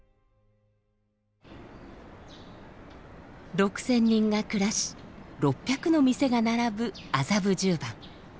６，０００人が暮らし６００の店が並ぶ麻布十番。